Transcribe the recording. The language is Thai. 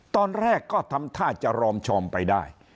ตอนแรกก็ทำท่าจะรอมชอมไปได้